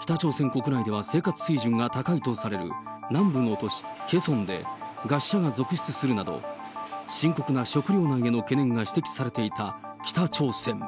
北朝鮮国内では生活水準が高いとされる南部の都市、ケソンで、餓死者が続出するなど、深刻な食料難への懸念が指摘されていた北朝鮮。